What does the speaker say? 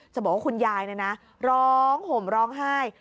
บอกว่าคุณยายร้องห่มร้องไห้